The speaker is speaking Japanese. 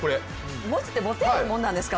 持つって持てるもんなんですか？